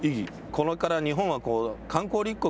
これから日本は観光立国。